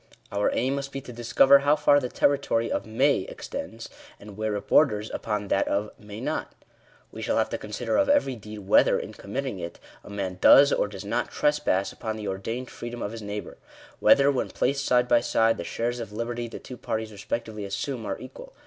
Our aim must be to discover how far the territory of may extends, and where it borders upon that of may not. We shall have to consider of every deed, whether, in committing it, a man does, or does not, trespass upon the ordained freedom of his neighbour — whether, when placed side by side, the shares of liberty the two parties respectively assume are equal.